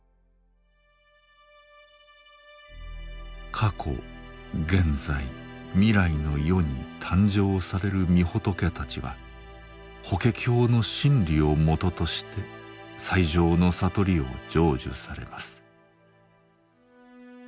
過去・現在・未来の世に誕生される御仏たちは法華経の真理を基として最上の悟りを成就されます。